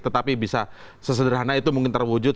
tetapi bisa sesederhana itu mungkin terwujud